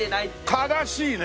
悲しいね！